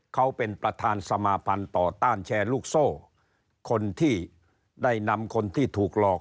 เขาเป็นประธานสมาพันธ์ต่อต้านแชร์ลูกโซ่คนที่ได้นำคนที่ถูกหลอก